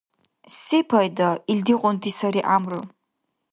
Сепайда, илдигъунти сари гӀямру.